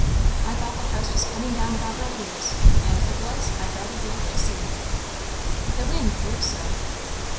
I thought the house was coming down about my ears; and if it was, I'd rather be up to see." "The wind blew so."